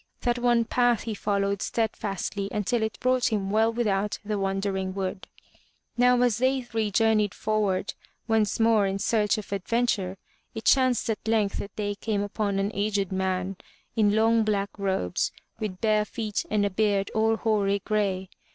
That one path he followed stead fastly until it brought him well without the Wandering Wood. Now as they three journeyed forward once more in search of adventure, it chanced at length that they came upon an aged man in long black robes, with bare feet and a beard all hoary gray.